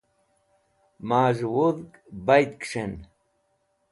Mazh̃ey Wudhg Baid Kis̃hen